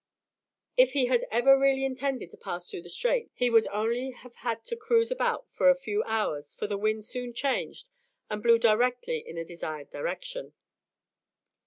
If he had ever really intended to pass through the Straits, he would only have had to cruise about for a few hours, for the wind soon changed and blew directly in the desired direction.